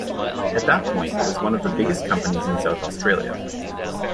At that point, it was one of the biggest companies in South Australia.